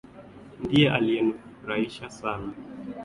Ndiye aliyenifurahisha Sana.